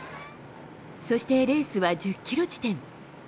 そしてレースは１０キロ地点。